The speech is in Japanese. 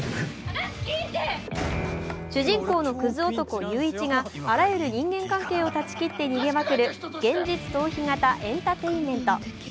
主人公のクズ男・裕一があらゆる人間関係を断ち切って逃げまくる現実逃避型エンターテインメント。